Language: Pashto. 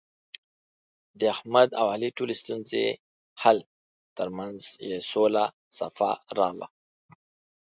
د احمد او علي ټولې ستونزې حل، ترمنځ یې سوله صفا راغله.